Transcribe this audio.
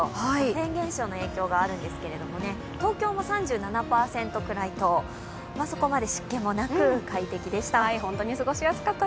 フェーン現象の影響があるんですけど、東京も３７％くらいとそこまで湿気もなく快適です。